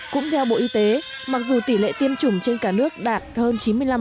cũng theo bộ y tế mặc dù tỷ lệ tiêm chủng trên cả nước đạt hơn chín mươi năm